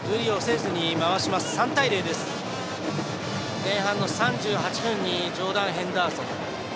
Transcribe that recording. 前半の３８分にジョーダン・ヘンダーソン。